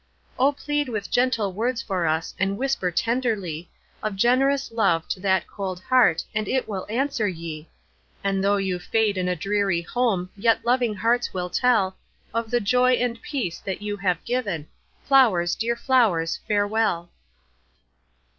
O plead with gentle words for us, And whisper tenderly Of generous love to that cold heart, And it will answer ye; And though you fade in a dreary home, Yet loving hearts will tell Of the joy and peace that you have given: Flowers, dear flowers, farewell!"